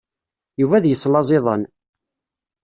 Yuba ad yeslaẓ iḍan.